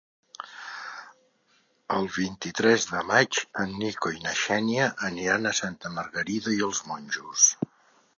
El vint-i-tres de maig en Nico i na Xènia aniran a Santa Margarida i els Monjos.